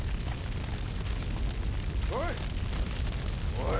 おい。